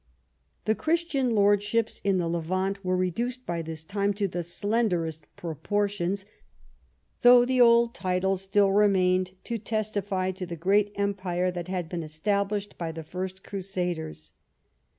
The Christian lordships in the Levant were reduced by this time to the slenderest proportions, though the old titles still remained to testify to the great empire that had been established by the first crusaders.